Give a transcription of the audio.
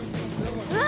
うわ